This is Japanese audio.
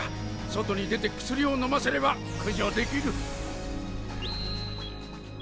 外に出て薬をのませれば駆除できる。